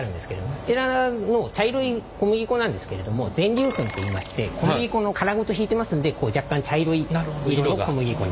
こちらの茶色い小麦粉なんですけれども全粒粉っていいまして小麦粉の殻ごとひいてますんでこう若干茶色い色の小麦粉に。